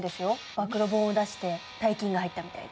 暴露本を出して大金が入ったみたいで。